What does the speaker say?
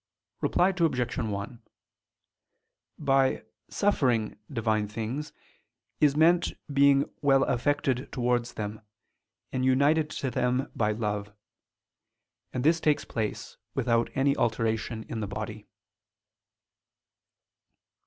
Reply Obj. 1: By "suffering" Divine things is meant being well affected towards them, and united to them by love: and this takes place without any alteration in the body.